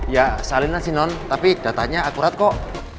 ya salinan sih non tapi datanya akurat kok